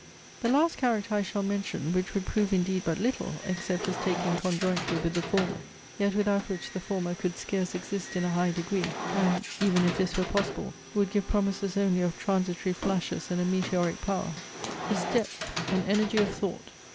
The last character I shall mention, which would prove indeed but little, except as taken conjointly with the former; yet without which the former could scarce exist in a high degree, and (even if this were possible) would give promises only of transitory flashes and a meteoric power; is depth, and energy of thought.